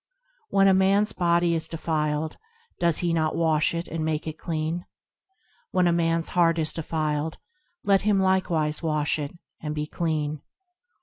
When a man's body is defiled, does he not wash it and make it clean ? When a man's heart is defiled, let him likewise wash it, and be clean.